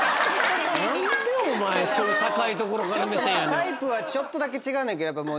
タイプはちょっとだけ違うねんけどやっぱもう。